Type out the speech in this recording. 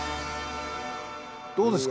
どうですか？